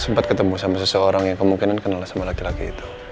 sempat ketemu sama seseorang yang kemungkinan kenal sama laki laki itu